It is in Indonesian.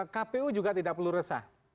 kpu juga tidak perlu resah